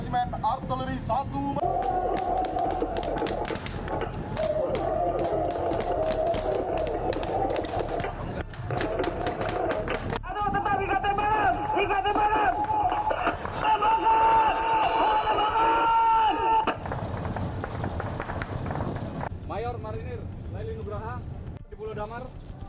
mayor marinir lailin ngebraha di pulau damar